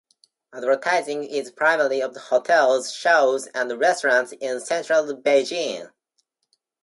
Advertising is primarily of hotels, shows, and restaurants in central Beijing.